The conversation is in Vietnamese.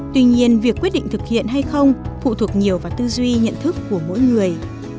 tuy nhiên việc quyết định thực hiện hay không phụ thuộc nhiều vào tư duy nhận thức của mỗi người